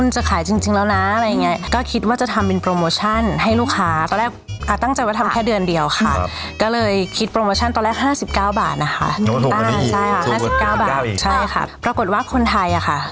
ใช่ค่ะห้าสิบเก้าบาทใช่ค่ะปรากฏว่าคนไทยอะค่ะ